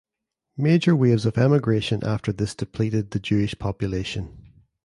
Major waves of emigration after this depleted the Jewish population.